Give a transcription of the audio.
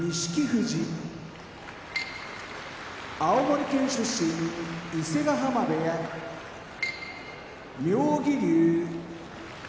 富士青森県出身伊勢ヶ濱部屋妙義龍